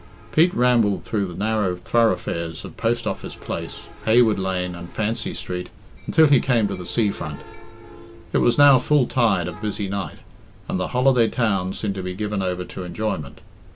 Pete rambled through the narrow thoroughfares of Post Office Place, Heywood Lane, and Fancy Street, until he came to the sea front. It was now full tide of busy night, and the holiday town seemed to be given over to enjoyment.